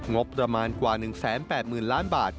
งบประมาณกว่า๑๘๐๐๐ล้านบาท